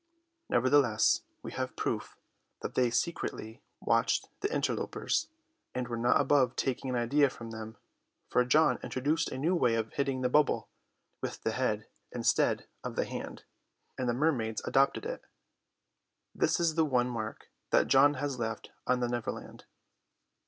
Nevertheless we have proof that they secretly watched the interlopers, and were not above taking an idea from them; for John introduced a new way of hitting the bubble, with the head instead of the hand, and the mermaids adopted it. This is the one mark that John has left on the Neverland.